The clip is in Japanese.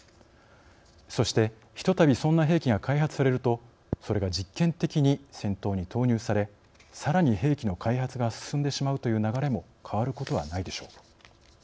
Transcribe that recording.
そしてひとたびそんな兵器が開発されるとそれが実験的に戦闘に投入されさらに兵器の開発が進んでしまうという流れも変わることはないでしょう。